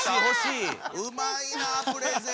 うまいなプレゼン！